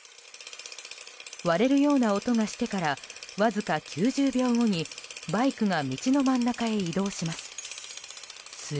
割れるような音がしてからわずか９０秒後にバイクが道の真ん中へ移動します。